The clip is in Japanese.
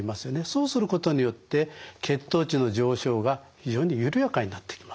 そうすることによって血糖値の上昇が非常に緩やかになっていきます。